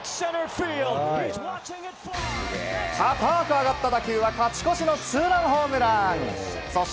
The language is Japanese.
高く上がった打球は勝ち越しのツーランホームラン。